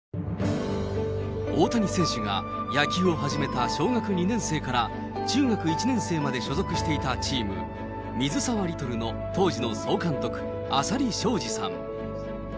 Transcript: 大谷選手が野球を始めた小学２年生から中学１年生まで所属していたチーム、水沢リトルの当時の総監督、浅利昭治さん。